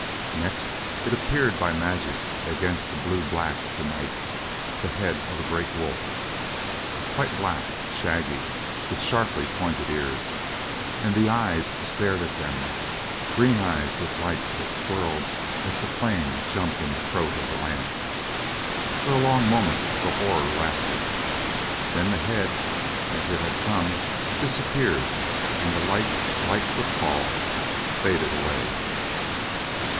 Next it appeared by magic against the blue black of the night the head of a great wolf, quite black, shaggy, with sharply pointed ears. And the eyes stared at them, green eyes with lights that swirled as the flame jumped in the throat of the lamp. For a long moment the horror lasted. Then the head, as it had come, disappeared, and the light, light foot fall, faded away.